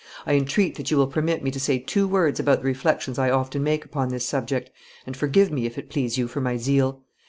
"I entreat that you will permit me to say two words about the reflections I often make upon this subject, and forgive me, if it please you, for my zeal.